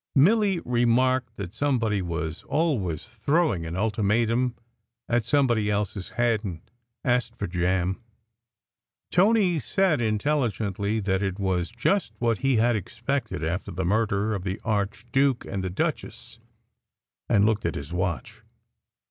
Milly remarked that somebody was always throwing an ultimatum at somebody else s head, and asked for jam. Tony said intelligently that it was just what he had expected, after the murder of the archduke and the duchess, and looked at his watch.